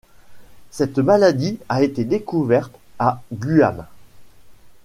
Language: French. Cette maladie a été découverte à Guam.